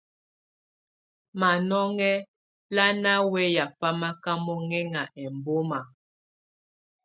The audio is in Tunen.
Manɔŋɔ lá ná wɛya famaka mɔŋɛŋa ɛmbɔma.